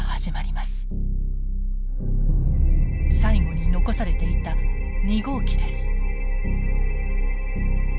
最後に残されていた２号機です。